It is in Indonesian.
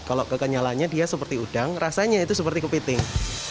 kalau kekenyalannya dia seperti udang rasanya itu seperti kepiting